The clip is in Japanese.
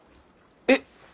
えっ？